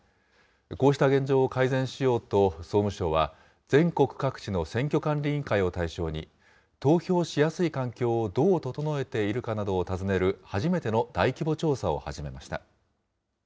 こうした現状を改善しようと、総務省は、全国各地の選挙管理委員会を対象に、投票しやすい環境をどう整えているかなどを尋ねる初めての大規模調査を始めました。